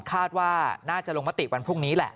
คาดว่าน่าจะลงมติวันพรุ่งนี้แหละ